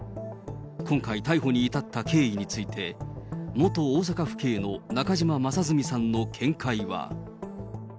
今回逮捕に至った経緯について、元大阪府警の中島正純さんの見解は。